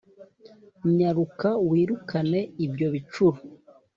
nyaruka wirukane ibyo bicuro